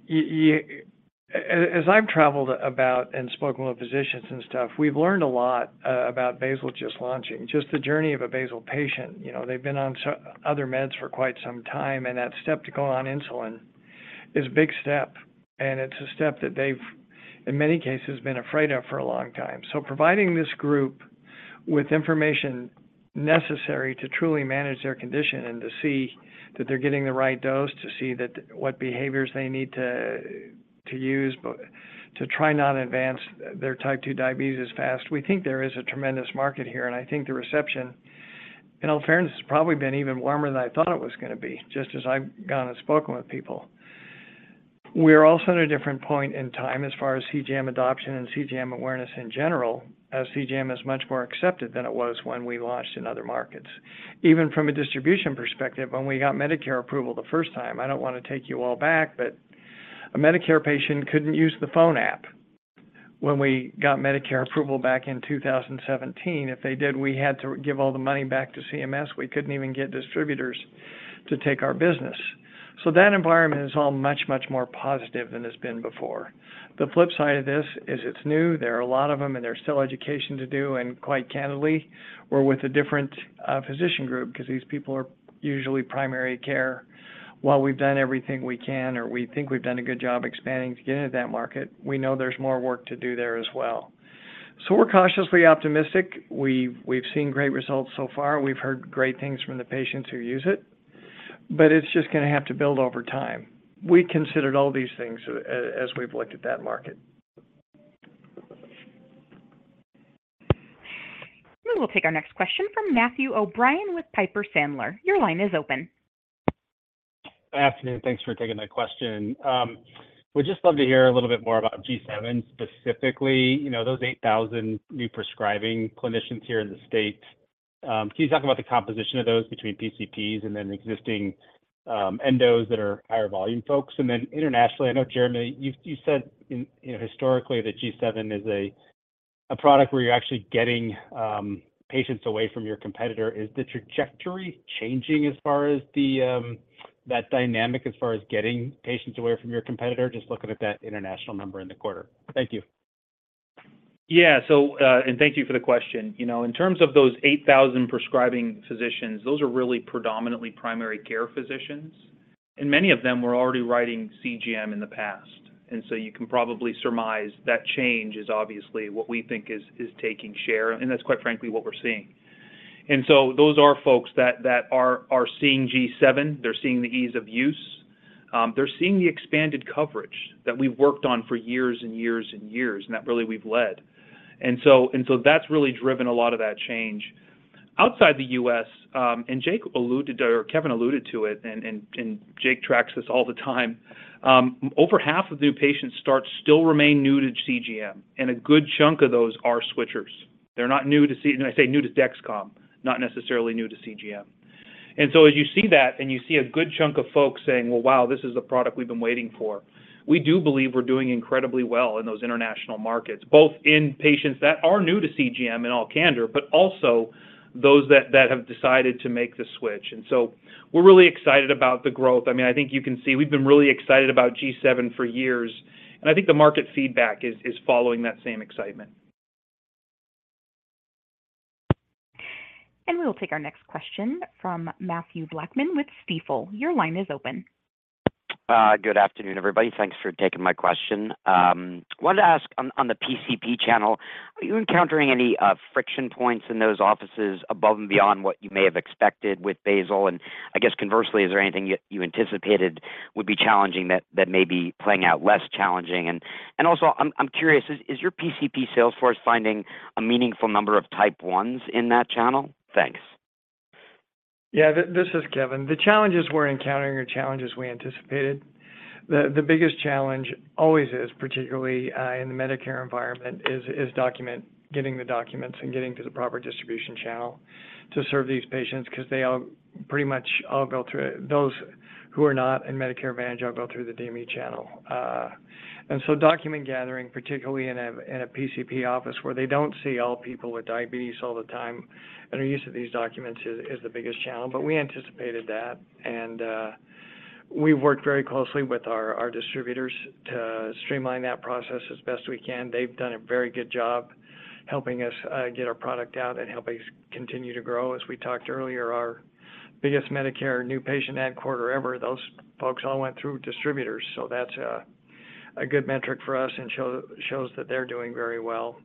[SPEAKER 2] as I've traveled about and spoken with physicians and stuff, we've learned a lot about basal just launching, just the journey of a basal patient. You know, they've been on other meds for quite some time, and that step to go on insulin is a big step, and it's a step that they've, in many cases, been afraid of for a long time. Providing this group with information necessary to truly manage their condition and to see that they're getting the right dose, to see what behaviors they need to use to try not advance their type 2 diabetes as fast, we think there is a tremendous market here, and I think the reception... in all fairness, it's probably been even warmer than I thought it was going to be, just as I've gone and spoken with people. We're also at a different point in time as far as CGM adoption and CGM awareness in general, as CGM is much more accepted than it was when we launched in other markets. Even from a distribution perspective, when we got Medicare approval the first time, I don't want to take you all back, but a Medicare patient couldn't use the phone app when we got Medicare approval back in 2017. If they did, we had to give all the money back to CMS. We couldn't even get distributors to take our business. That environment is all much, much more positive than it's been before. The flip side of this is it's new, there are a lot of them, and there's still education to do. Quite candidly, we're with a different physician group because these people are usually primary care. While we've done everything we can, or we think we've done a good job expanding to get into that market, we know there's more work to do there as well. We're cautiously optimistic. We've, we've seen great results so far. We've heard great things from the patients who use it, but it's just going to have to build over time. We considered all these things as we've looked at that market.
[SPEAKER 1] We will take our next question from Matthew O'Brien with Piper Sandler. Your line is open.
[SPEAKER 14] Good afternoon. Thanks for taking my question. Would just love to hear a little bit more about G7, specifically, you know, those 8,000 new prescribing clinicians here in the States. Can you talk about the composition of those between PCPs and then existing, endos that are higher volume folks? Then internationally, I know, Jereme, you said historically that G7 is a product where you're actually getting patients away from your competitor. Is the trajectory changing as far as that dynamic, as far as getting patients away from your competitor? Just looking at that international number in the quarter. Thank you.
[SPEAKER 4] Yeah. And thank you for the question. You know, in terms of those 8,000 prescribing physicians, those are really predominantly primary care physicians, and many of them were already writing CGM in the past. You can probably surmise that change is obviously what we think is, is taking share, and that's quite frankly, what we're seeing. Those are folks that, that are, are seeing G7. They're seeing the ease of use. They're seeing the expanded coverage that we've worked on for years and years and years, and that really we've led. That's really driven a lot of that change. Outside the U.S., and Jake alluded to, or Kevin alluded to it, and Jake tracks this all the time. Over half of new patient starts still remain new to CGM, and a good chunk of those are switchers. They're not new to Dexcom, not necessarily new to CGM. As you see that, and you see a good chunk of folks saying, "Well, wow, this is the product we've been waiting for," we do believe we're doing incredibly well in those international markets, both in patients that are new to CGM, in all candor, but also those that, that have decided to make the switch. We're really excited about the growth. I mean, I think you can see we've been really excited about G7 for years, and I think the market feedback is, is following that same excitement.
[SPEAKER 1] We will take our next question from Mathew Blackman with Stifel. Your line is open.
[SPEAKER 15] Good afternoon, everybody. Thanks for taking my question. wanted to ask on, on the PCP channel, are you encountering any friction points in those offices above and beyond what you may have expected with basal? I guess conversely, is there anything you, you anticipated would be challenging that, that may be playing out less challenging? Also I'm, I'm curious, is your PCP sales force finding a meaningful number of type ones in that channel? Thanks.
[SPEAKER 2] Yeah, this is Kevin. The biggest challenge always is, particularly, in the Medicare environment, is getting the documents and getting to the proper distribution channel to serve these patients, because they all pretty much all go through-- those who are not in Medicare Advantage all go through the DME channel. So document gathering, particularly in a PCP office, where they don't see all people with diabetes all the time, and are used to these documents, is the biggest challenge. We anticipated that, and we worked very closely with our distributors to streamline that process as best we can. They've done a very good job helping us get our product out and helping us continue to grow. As we talked earlier, our biggest Medicare new patient ad quarter ever, those folks all went through distributors. So that's a good metric for us and shows that they're doing very well.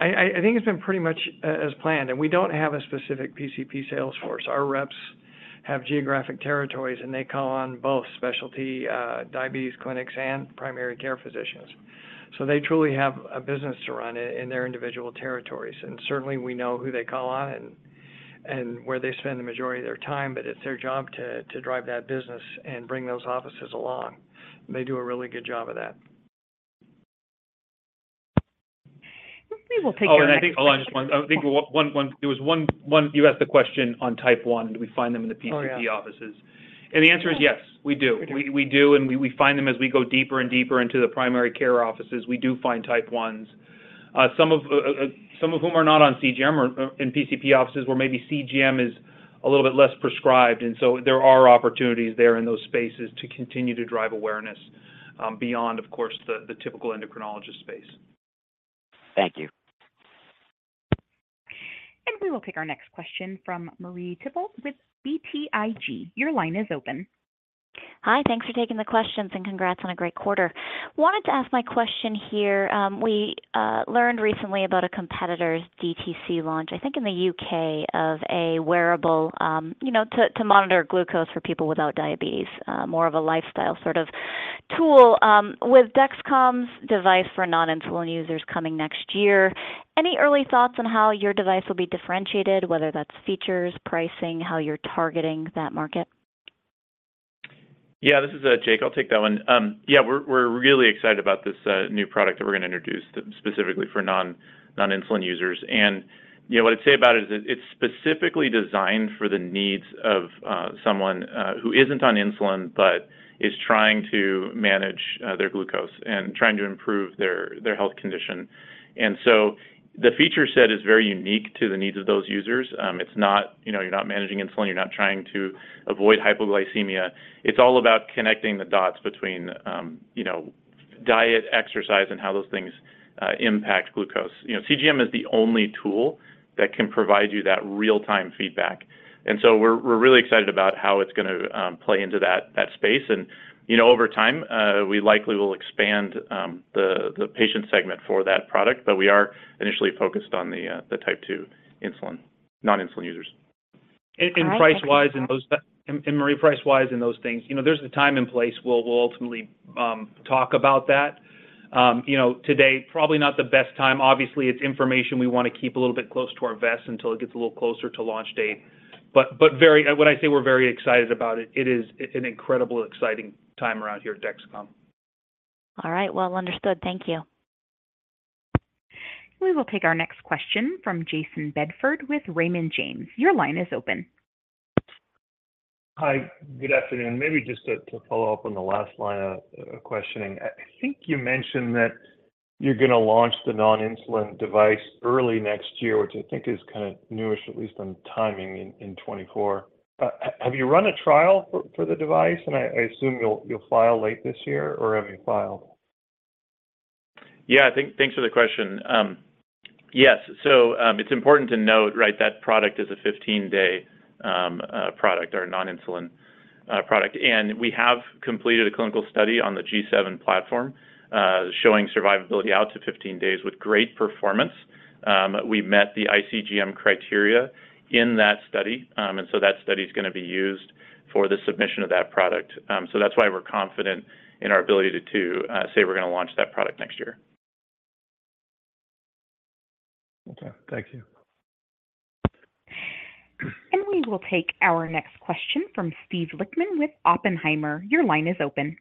[SPEAKER 2] I think it's been pretty much as planned, and we don't have a specific PCP sales force. Our reps have geographic territories, and they call on both specialty diabetes clinics and primary care physicians. So they truly have a business to run in their individual territories. Certainly, we know who they call on and where they spend the majority of their time, but it's their job to drive that business and bring those offices along. They do a really good job of that.
[SPEAKER 1] We will take our next-
[SPEAKER 4] Oh, I think I'll just. I think there was one. You asked the question on type one, do we find them in the PCP offices?
[SPEAKER 15] Oh, yeah.
[SPEAKER 4] The answer is yes, we do.
[SPEAKER 2] We do.
[SPEAKER 4] We, we do, and we, we find them as we go deeper and deeper into the primary care offices. We do find type ones, some of whom are not on CGM or in PCP offices, where maybe CGM is a little bit less prescribed. So there are opportunities there in those spaces to continue to drive awareness, beyond, of course, the, the typical endocrinologist space.
[SPEAKER 15] Thank you.
[SPEAKER 1] We will take our next question from Marie Thibault with BTIG. Your line is open.
[SPEAKER 16] Hi, thanks for taking the questions, and congrats on a great quarter. Wanted to ask my question here. We learned recently about a competitor's DTC launch, I think, in the UK, of a wearable, you know, to monitor glucose for people without diabetes, more of a lifestyle sort of tool, with Dexcom's device for non-insulin users coming next year, any early thoughts on how your device will be differentiated, whether that's features, pricing, how you're targeting that market?
[SPEAKER 17] Yeah, this is Jake. I'll take that one. Yeah, we're, we're really excited about this new product that we're going to introduce specifically for non-insulin users. You know, what I'd say about it is it's specifically designed for the needs of someone who isn't on insulin, but is trying to manage their glucose and trying to improve their, their health condition. The feature set is very unique to the needs of those users. It's not, you know, you're not managing insulin, you're not trying to avoid hypoglycemia. It's all about connecting the dots between, you know, diet, exercise, and how those things impact glucose. You know, CGM is the only tool that can provide you that real-time feedback. We're, we're really excited about how it's going to play into that, that space. You know, over time, we likely will expand the patient segment for that product, but we are initially focused on the Type 2 insulin, non-insulin users.
[SPEAKER 16] All right-
[SPEAKER 2] Price-wise, and those, and, and Marie, price-wise and those things, you know, there's a time and place where we'll ultimately talk about that. You know, today, probably not the best time. Obviously, it's information we want to keep a little bit close to our vest until it gets a little closer to launch date. When I say we're very excited about it, it is an incredible exciting time around here at Dexcom.
[SPEAKER 16] All right. Well understood. Thank you.
[SPEAKER 1] We will take our next question from Jayson Bedford with Raymond James. Your line is open.
[SPEAKER 18] Hi, good afternoon. Maybe just to, to follow up on the last line of, of questioning. I, I think you mentioned that you're going to launch the non-insulin device early next year, which I think is kind of newish, at least on timing, in, in 2024. Have you run a trial for, for the device? I, I assume you'll, you'll file late this year, or have you filed?
[SPEAKER 17] Yeah, I think, thanks for the question. Yes. It's important to note, right, that product is a 15-day product or non-insulin product. We have completed a clinical study on the G7 platform, showing survivability out to 15 days with great performance. We met the ICGM criteria in that study, and so that study is going to be used for the submission of that product. That's why we're confident in our ability to, to say we're going to launch that product next year.
[SPEAKER 18] Okay. Thank you.
[SPEAKER 1] We will take our next question from Steve Lichtman with Oppenheimer. Your line is open.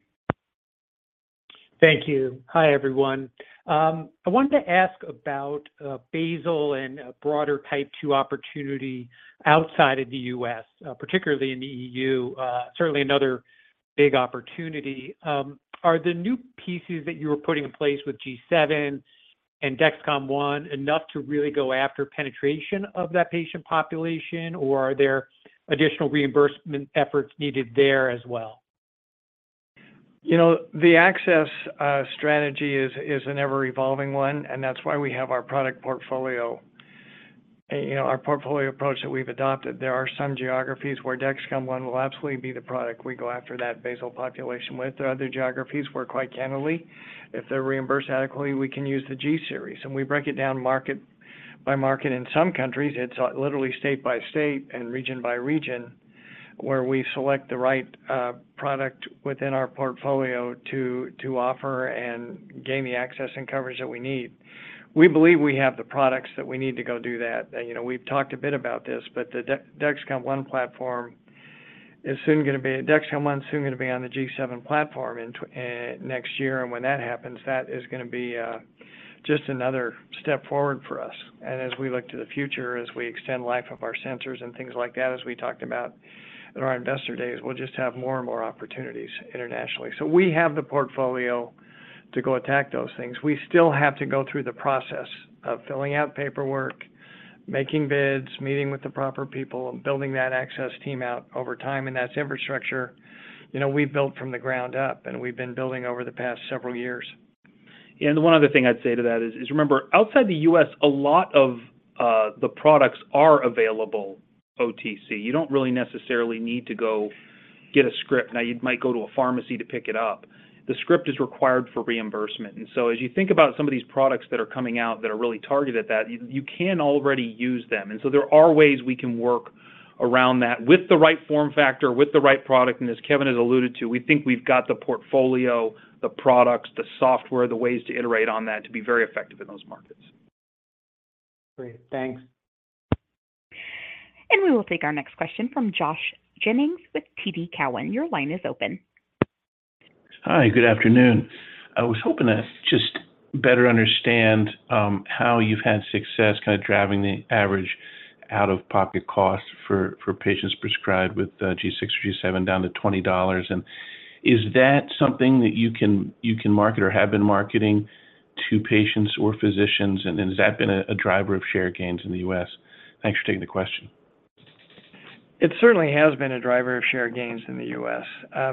[SPEAKER 19] Thank you. Hi, everyone. I wanted to ask about basal and broader Type 2 opportunity outside of the U.S., particularly in the EU, certainly another big opportunity. Are the new pieces that you were putting in place with G7 and Dexcom ONE enough to really go after penetration of that patient population, or are there additional reimbursement efforts needed there as well?
[SPEAKER 2] You know, the access strategy is an ever-evolving one, and that's why we have our product portfolio, you know, our portfolio approach that we've adopted. There are some geographies where Dexcom ONE will absolutely be the product we go after that basal population with. There are other geographies where, quite candidly, if they're reimbursed adequately, we can use the G series, and we break it down market by market. In some countries, it's literally state by state and region by region, where we select the right product within our portfolio to offer and gain the access and coverage that we need. We believe we have the products that we need to go do that. You know, we've talked a bit about this, but Dexcom ONE is soon going to be on the G7 platform in next year. When that happens, that is going to be just another step forward for us. As we look to the future, as we extend life of our sensors and things like that, as we talked about at our investor days, we'll just have more and more opportunities internationally. We have the portfolio to go attack those things. We still have to go through the process of filling out paperwork, making bids, meeting with the proper people, building that access team out over time. That's infrastructure, you know, we've built from the ground up, and we've been building over the past several years.
[SPEAKER 17] One other thing I'd say to that is, remember, outside the U.S., a lot of the products are available OTC. You don't really necessarily need to go get a script. Now, you might go to a pharmacy to pick it up. The script is required for reimbursement. So as you think about some of these products that are coming out that are really targeted at that, you can already use them. So there are ways we can work around that with the right form factor, with the right product, and as Kevin has alluded to, we think we've got the portfolio, the products, the software, the ways to iterate on that to be very effective in those markets.
[SPEAKER 19] Great. Thanks.
[SPEAKER 1] We will take our next question from Josh Jennings with TD Cowen. Your line is open.
[SPEAKER 20] Hi, good afternoon. I was hoping to just better understand how you've had success kind of driving the average out-of-pocket costs for, for patients prescribed with G6 or G7 down to $20. Is that something that you can, you can market or have been marketing to patients or physicians? Has that been a driver of share gains in the US? Thanks for taking the question.
[SPEAKER 2] It certainly has been a driver of share gains in the U.S.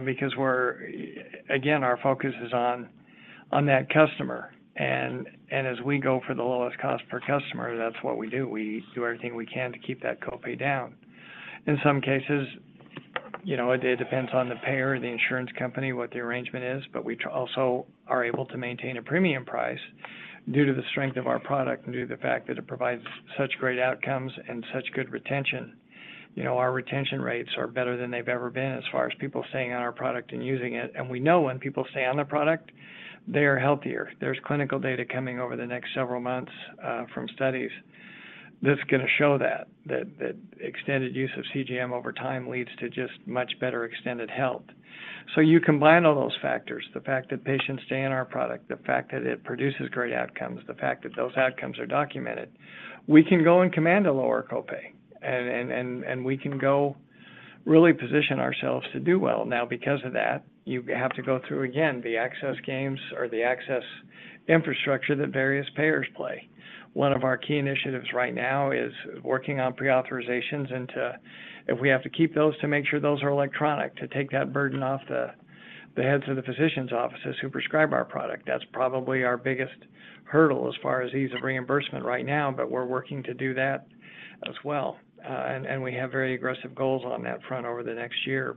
[SPEAKER 2] because we're, again, our focus is on that customer. As we go for the lowest cost per customer, that's what we do. We do everything we can to keep that copay down. In some cases, you know, it depends on the payer, the insurance company, what the arrangement is, but we also are able to maintain a premium price due to the strength of our product and due to the fact that it provides such great outcomes and such good retention, you know, our retention rates are better than they've ever been as far as people staying on our product and using it. We know when people stay on the product, they are healthier. There's clinical data coming over the next several months from studies that's going to show that, that, that extended use of CGM over time leads to just much better extended health. You combine all those factors: the fact that patients stay on our product, the fact that it produces great outcomes, the fact that those outcomes are documented. We can go and command a lower copay, and, and, and, and we can go really position ourselves to do well. Because of that, you have to go through, again, the access games or the access infrastructure that various payers play. One of our key initiatives right now is working on pre-authorizations, and if we have to keep those, to make sure those are electronic, to take that burden off the, the heads of the physicians' offices who prescribe our product. That's probably our biggest hurdle as far as ease of reimbursement right now, but we're working to do that as well. We have very aggressive goals on that front over the next year.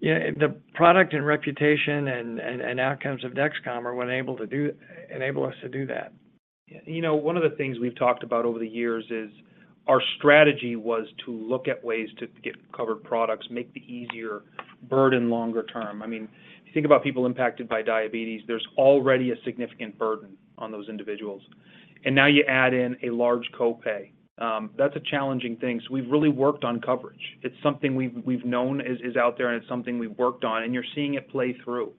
[SPEAKER 2] Yeah, the product and reputation and, and, and outcomes of Dexcom enable us to do that.
[SPEAKER 17] You know, one of the things we've talked about over the years is our strategy was to look at ways to get covered products, make the easier burden longer term. I mean, if you think about people impacted by diabetes, there's already a significant burden on those individuals, and now you add in a large copay. That's a challenging thing, so we've really worked on coverage. It's something we've, we've known is, is out there, and it's something we've worked on, and you're seeing it play through.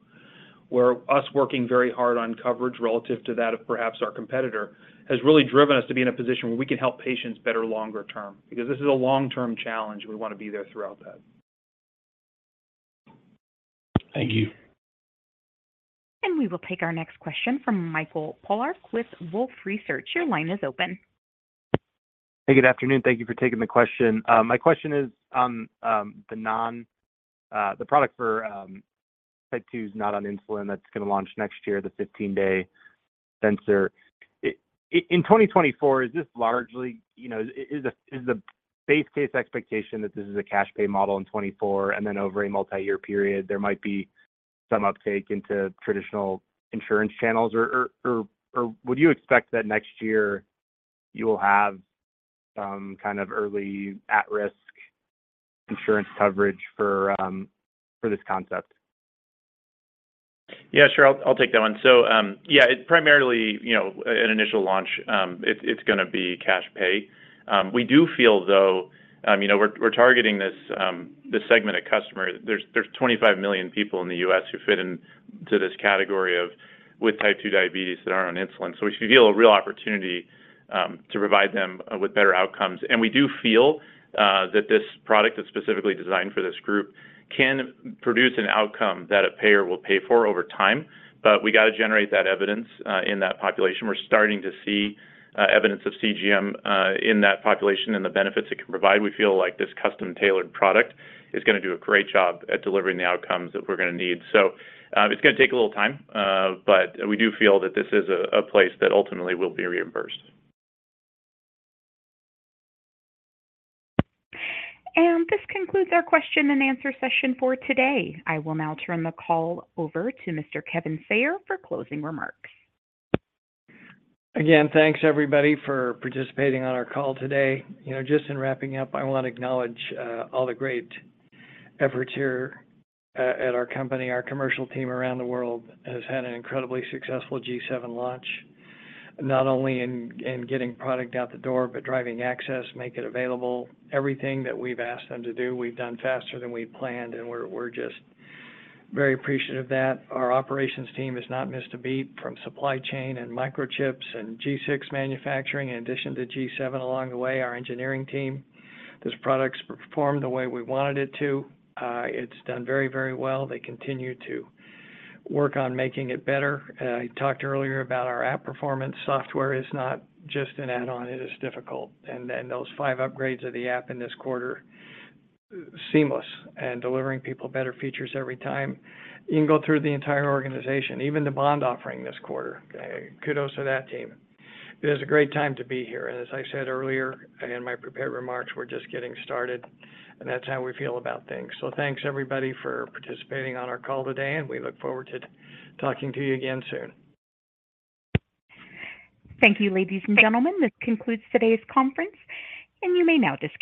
[SPEAKER 17] Where us working very hard on coverage relative to that of perhaps our competitor, has really driven us to be in a position where we can help patients better longer term, because this is a long-term challenge. We want to be there throughout that.
[SPEAKER 2] Thank you.
[SPEAKER 1] We will take our next question from Michael Polark with Wolfe Research. Your line is open.
[SPEAKER 21] Hey, good afternoon. Thank you for taking the question. My question is on the non the product for type 2s, not on insulin, that's going to launch next year, the 15-day sensor. In 2024, is this largely, you know, is the, is the base case expectation that this is a cash pay model in 2024, and then over a multi-year period, there might be some uptake into traditional insurance channels? Would you expect that next year you will have some kind of early at-risk insurance coverage for this concept?
[SPEAKER 17] Yeah, sure. I'll, I'll take that one. Yeah, it primarily, you know, an initial launch, it's, it's going to be cash pay. We do feel, though, you know, we're, we're targeting this, this segment of customer. There's, there's 25 million people in the US who fit into this category of with type 2 diabetes that are on insulin. We feel a real opportunity, to provide them with better outcomes. We do feel, that this product that's specifically designed for this group can produce an outcome that a payer will pay for over time. We got to generate that evidence, in that population. We're starting to see, evidence of CGM, in that population and the benefits it can provide. We feel like this custom-tailored product is going to do a great job at delivering the outcomes that we're going to need. It's going to take a little time, but we do feel that this is a place that ultimately will be reimbursed.
[SPEAKER 1] This concludes our question and answer session for today. I will now turn the call over to Mr. Kevin Sayer for closing remarks.
[SPEAKER 2] Again, thanks, everybody, for participating on our call today. You know, just in wrapping up, I want to acknowledge all the great efforts here at our company. Our commercial team around the world has had an incredibly successful G7 launch, not only in, in getting product out the door, but driving access, make it available. Everything that we've asked them to do, we've done faster than we planned, and we're, we're just very appreciative of that. Our operations team has not missed a beat from supply chain and microchips and G6 manufacturing, in addition to G7 along the way. Our engineering team, this product's performed the way we wanted it to. It's done very, very well. They continue to work on making it better. I talked earlier about our app performance. Software is not just an add-on; it is difficult. Those five upgrades of the app in this quarter, seamless and delivering people better features every time. You can go through the entire organization, even the bond offering this quarter. Kudos to that team. It is a great time to be here, and as I said earlier in my prepared remarks, we're just getting started, and that's how we feel about things. Thanks, everybody, for participating on our call today, and we look forward to talking to you again soon.
[SPEAKER 1] Thank you, ladies and gentlemen. This concludes today's conference. You may now disconnect.